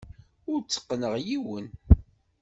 Ur tteqqneɣ yiwen.